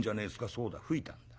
「そうだ吹いたんだ。